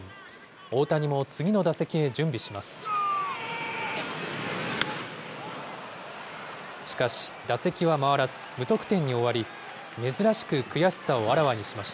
大谷も次の打席へ準備します。